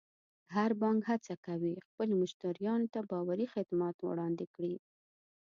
هر بانک هڅه کوي خپلو مشتریانو ته باوري خدمات وړاندې کړي.